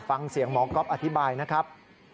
ฟังเสียงหมอก๊อฟอธิบายนะครับ